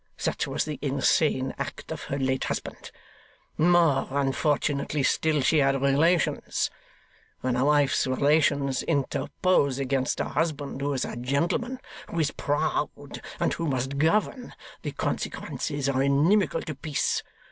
Such was the insane act of her late husband. More unfortunately still, she had relations. When a wife's relations interpose against a husband who is a gentleman, who is proud, and who must govern, the consequences are inimical to peace.